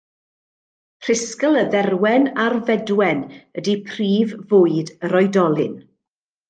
Rhisgl y dderwen a'r fedwen ydy prif fwyd yr oedolyn.